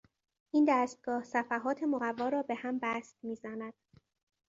این دستگاه صفحات مقوا را به هم بست میزند.